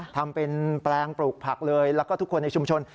ทำเป็นแปลงปลูกผักเลยแล้วก็ทุกคนในชุมชน